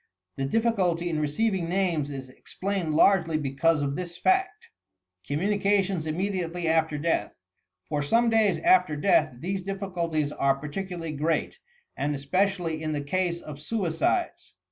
The diffi culty in receiving names is explained largely because of this fact. COMMUNICATIONS IMMEDIATELY AFTER DEATH For some days after death, these diBicultie^ are par ticularly great, and eapecially in the case of suicides.